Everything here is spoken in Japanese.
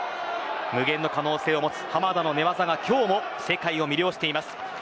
無限の可能性を持つ濱田の寝技が、今日も世界を魅了しています。